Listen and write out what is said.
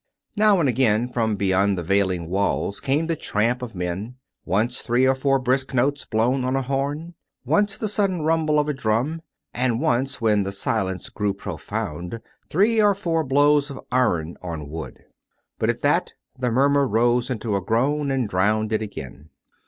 Now and again, from beyond the veiling walls came the tramp of men ; once, three or four brisk notes blown on a horn ; once, the sudden rumble of a drum ; and once, when the silence grew profound, three or four blows of iron on wood. But at that the murmur rose into a groan and drowned it again.